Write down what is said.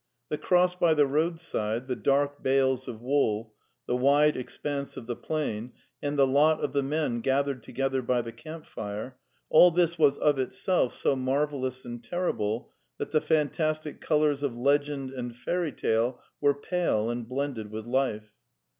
The cross by the roadside, the dark bales of wool, the wide expanse of the plain, and the lot of the men gathered together by the camp fire — all this was of itself so marvellous and terrible that the fantastic colours of legend and fairy tale were pale and blended with life.